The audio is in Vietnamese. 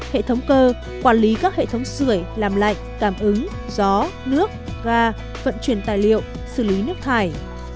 hệ thống cơ quản lý các hệ thống sửa làm lạnh cảm ứng gió nước ga vận chuyển tài liệu xử lý nước thải